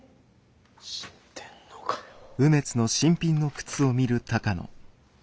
知ってんのかよ。